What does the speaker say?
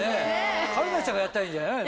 桂里奈ちゃんがやったらいいんじゃないの？